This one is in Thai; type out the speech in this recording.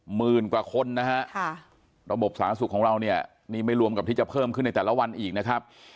หมื่นกว่าคนนะฮะค่ะระบบสาธารณสุขของเราเนี่ยนี่ไม่รวมกับที่จะเพิ่มขึ้นในแต่ละวันอีกนะครับ